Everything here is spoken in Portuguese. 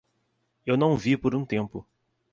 Eu não vi por um tempo.